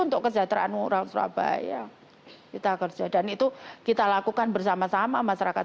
untuk kesejahteraan orang surabaya kita kerja dan itu kita lakukan bersama sama masyarakat